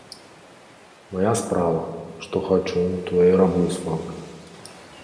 Мая справа, што хачу, тое і раблю з фабрыкаю!